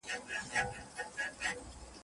ته به پر ګرځې د وطن هره کوڅه به ستاوي